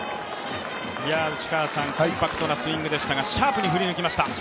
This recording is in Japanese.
コンパクトなスイングでしたがシャープに振り抜きました。